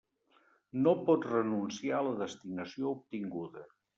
No pot renunciar a la destinació obtinguda.